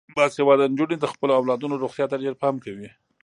باسواده نجونې د خپلو اولادونو روغتیا ته ډیر پام کوي.